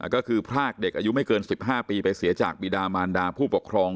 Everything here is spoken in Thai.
ก็คือพรากเด็กอายุไม่เกิน๑๕ปีไปเสียจากบีดามารดาผู้ปกครอง